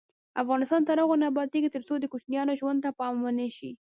افغانستان تر هغو نه ابادیږي، ترڅو د کوچیانو ژوند ته پام ونشي.